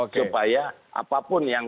supaya apapun yang